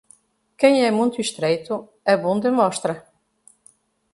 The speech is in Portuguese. Quem é muito estreito, a bunda mostra.